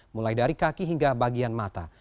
mulai dari kaki hingga bagian mata